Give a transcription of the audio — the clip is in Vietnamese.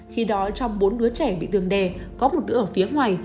khi đó trong bốn đứa trẻ bị tường đề có một đứa ở phía ngoài